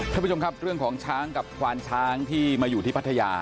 ท่านผู้ชมครับเรื่องของช้างกับควานช้างที่มาอยู่ที่พัทยา